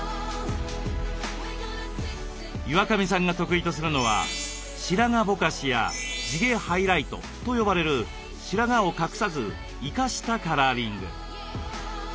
岩上さんが得意とするのは「白髪ぼかし」や「地毛ハイライト」と呼ばれる白髪を隠さず「生かした」カラーリング。